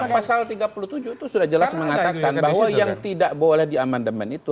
pasal tiga puluh tujuh itu sudah jelas mengatakan bahwa yang tidak boleh di amandemen itu